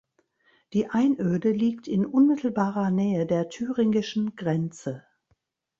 Die Einöde liegt in unmittelbarer Nähe der thüringischen Grenze.